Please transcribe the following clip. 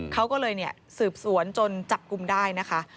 เขาก็เลยสืบสวนจนจับกลุ่มได้นะคะ